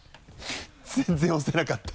全然押せなかった。